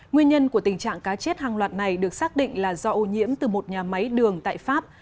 nguyên nhân của tình trạng cá chết hàng loạt này được xác định là do ô nhiễm từ một nhà máy đường tại pháp